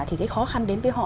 thì cái khó khăn đến với họ